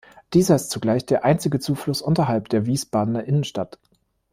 Dieser ist zugleich der einzige Zufluss unterhalb der Wiesbadener Innenstadt.